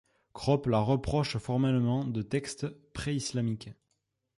Kropp la rapproche formellement de textes préislamiques.